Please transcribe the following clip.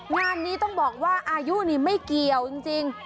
งานนี้ต้องบอกว่าอายุนี่ไม่เกี่ยวจริง